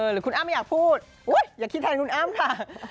หรือคุณอ้ำไม่อยากพูดอย่าคิดแทนคุณอ้ำค่ะ